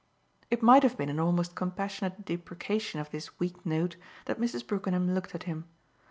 It might have been in almost compassionate deprecation of this weak note that Mrs. Brookenham looked at him.